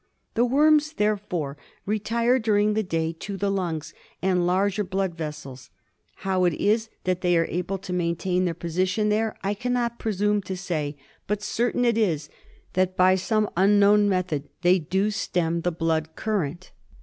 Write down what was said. The worms therefore retire during the day to the lungs and larger blood vessels. How it is that they are able to maintain their position there I cannot presume to say, but certain it is that by some unknown method they do stem the blood current.